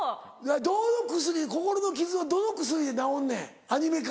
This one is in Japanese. どの薬で心の傷はどの薬で治んねんアニメか？